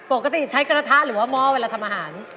ปกติใช้กระทะหรือว่าหม้อเวลาทำอาหาร